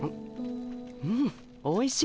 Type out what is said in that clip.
うんおいしい。